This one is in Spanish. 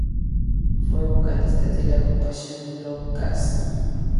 Fue vocalista de la agrupación Lou Kass.